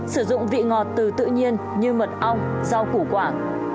sử dụng vị ngọt từ tự nhiên như mật ong rau củ quả